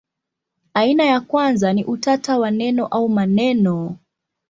Aina ya kwanza ni utata wa neno au maneno.